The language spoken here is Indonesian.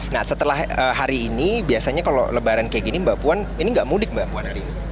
nah setelah hari ini biasanya kalau lebaran kayak gini mbak puan ini nggak mudik mbak puan hari ini